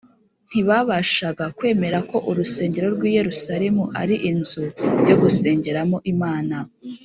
Ntibabashaga kwemera ko urusengero rw’i Yerusalemu ari inzu yo gusengeramo Imana